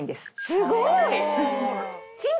すごい！